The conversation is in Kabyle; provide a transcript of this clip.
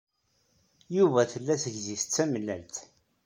Yuba tla taydit d tamellalt.